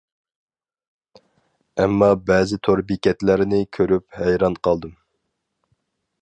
ئەمما بەزى تور بېكەتلەرنى كۆرۈپ ھەيران قالدىم.